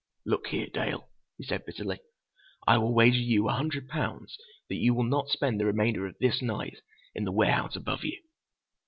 "Look here, Dale," he said bitterly, "I will wager you a hundred pounds that you will not spend the remainder of this night in the warehouse above you!